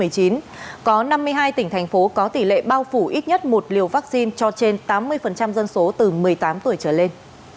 có năm mươi hai tỉnh thành phố có tỷ lệ bao phủ ít nhất một liều vaccine cho trên tám mươi dân số từ một mươi tám tuổi trở lên